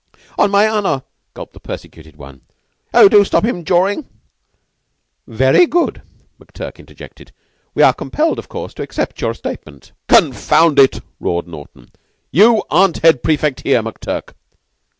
"On my honor," gulped the persecuted one. "Oh, do stop him jawing." "Very good," McTurk interjected. "We are compelled, of course, to accept your statement." "Confound it!" roared Naughten. "You aren't head prefect here, McTurk."